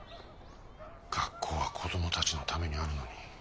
学校は子供たちのためにあるのに。